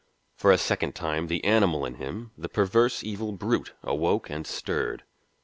For a second time the animal in him, the perverse evil brute, awoke and stirred.